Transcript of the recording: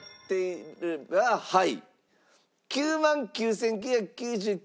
はい。